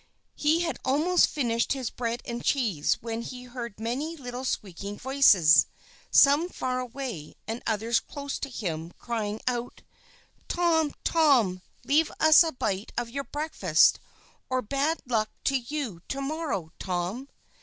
He had almost finished his bread and cheese, when he heard many little squeaking voices, some far away, and others close to him, crying out: "Tom! Tom! Leave us a bite of your breakfast, or bad luck to you, to morrow, Tom!"